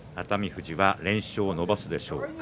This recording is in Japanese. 富士は連勝を伸ばすでしょうか。